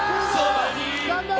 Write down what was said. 頑張れ！